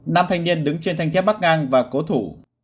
nam thanh niên đứng trên thanh thiết bắt ngang và cố thủ